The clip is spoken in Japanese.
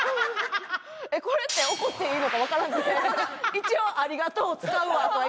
これって怒っていいのか分からんくて一応ありがとう使うわとは言ったんですけど。